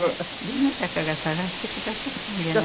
どなたかが探してくださった。